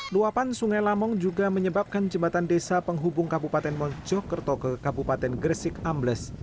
luapan sungai lamong juga menyebabkan jembatan desa penghubung kabupaten mojokerto ke kabupaten gresik ambles